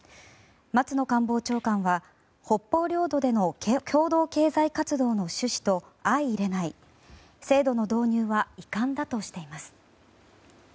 松野官房長官は北方領土での共同経済活動の趣旨と相いれない制度の導入は遺憾だとしています。